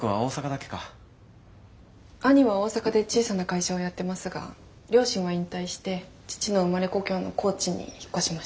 兄は大阪で小さな会社をやってますが両親は引退して父の生まれ故郷の高知に引っ越しました。